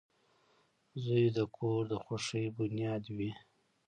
• زوی د کور د خوښۍ بنیاد وي.